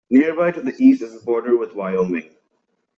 Nearby to the east is the border with Wyoming.